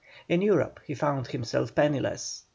In Europe he found himself penniless.